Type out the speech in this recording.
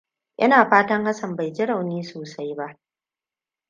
Ina fatan Hassan bai ji rauni sosai ba.